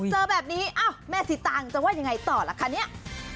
เจอแบบนี้อ้าวแม่สีตางจะว่ายังไงต่อล่ะคะเนี่ย